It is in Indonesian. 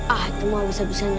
aduh mah bisa bisanya